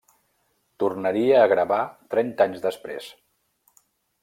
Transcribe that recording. Tornaria a gravar trenta anys després.